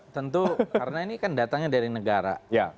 tentu karena ini kan datangnya dari negara